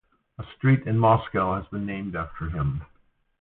A street in Moscow has been named after him.